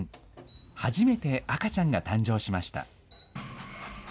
初めて赤ちゃんが誕生しました。